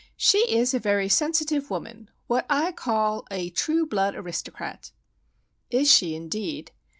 She is a very sensitive woman;—what I call a true blood aristocrat." "Is she indeed?"